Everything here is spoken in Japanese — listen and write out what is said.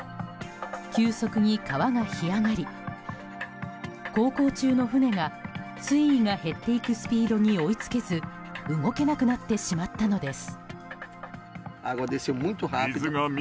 急速に川が干上がり航行中の船が、水位が減っていくスピードに追いつけず動けなくなってしまったのです。